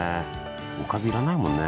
おかず要らないもんね